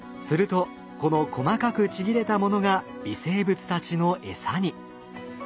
するとこの細かくちぎれたものが微生物たちの餌に。